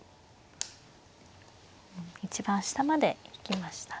一番下まで引きましたね。